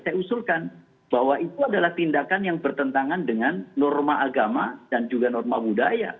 saya usulkan bahwa itu adalah tindakan yang bertentangan dengan norma agama dan juga norma budaya